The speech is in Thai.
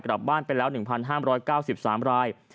กลับบ้านไปแล้ว๑๕๙๓ราย